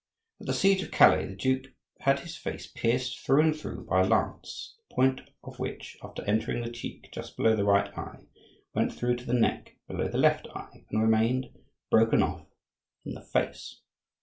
At the siege of Calais the duke had his face pierced through and through by a lance, the point of which, after entering the cheek just below the right eye, went through to the neck, below the left eye, and remained, broken off, in the face.